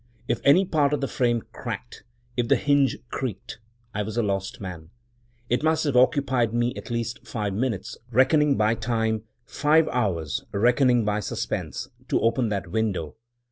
If any part of the frame cracked, if the hinge creaked, I was a lost man! It must have occupied me at least five minutes, reckoning by time — five hours, reckoning by suspense — to open that window.